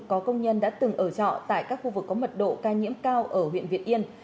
có công nhân đã từng ở trọ tại các khu vực có mật độ ca nhiễm cao ở huyện việt yên